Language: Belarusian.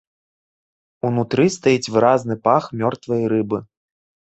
Унутры стаіць выразны пах мёртвай рыбы.